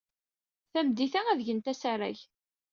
Tameddit-a, ad d-gent asarag.